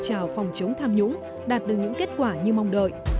chào phòng chống tham nhũng đạt được những kết quả như mong đợi